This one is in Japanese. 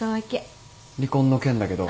離婚の件だけど。